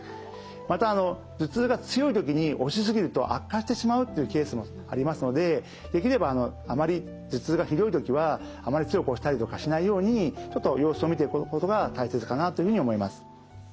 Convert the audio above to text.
また頭痛が強いときに押し過ぎると悪化してしまうっていうケースもありますのでできれば頭痛がひどいときはあまり強く押したりとかしないようにちょっと様子を見ていくことが大切かなというふうに思います。